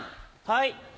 はい。